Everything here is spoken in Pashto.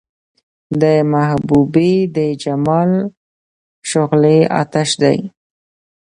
د محبوبې د جمال شغلې اۤتش دي